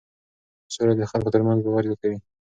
سوله د خلکو ترمنځ باور زیاتوي.